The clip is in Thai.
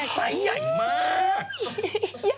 คือใส่ใหญ่มาก